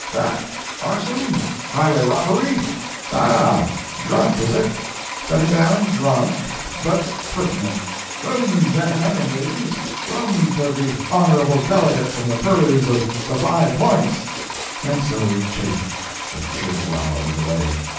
—theft? arson? highway robbery?—ah, drunk, is it?—set him down drunk, but pertinent. Room, gentlemen and ladies, room for the honorable delegate from the purlieus of the Five Points!" And so we chaffed the cheerful hours away.